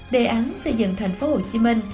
đề án xây dựng thành phố hồ chí minh